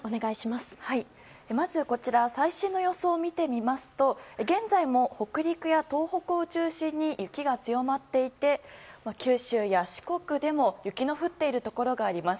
まず、最新の予想を見てみますと現在も北陸や東北を中心に雪が強まっていて九州や四国でも雪が降っているところがあります。